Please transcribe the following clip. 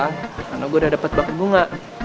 karena gue udah dapet baket bunga